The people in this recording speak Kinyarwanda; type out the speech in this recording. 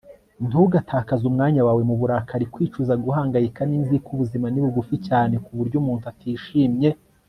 ntugatakaze umwanya wawe mu burakari, kwicuza, guhangayika, n'inzika. ubuzima ni bugufi cyane ku buryo umuntu atishimye